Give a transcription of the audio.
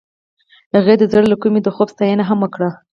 هغې د زړه له کومې د خوب ستاینه هم وکړه.